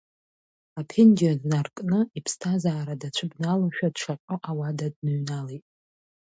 Аԥенџьыр наркны иԥсҭазаара дацәыбналошәа дшаҟьо ауада дныҩналеит.